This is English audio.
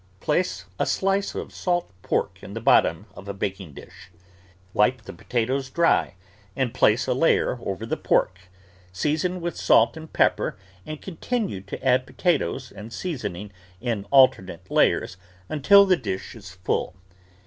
Place a slice of salt pork in the bottom of a baking dish. Wipe the potatoes dry and place a layer over the pork; season with salt and pepper and continue to add potatoes and seasoning in alter nate layers until the dish is full.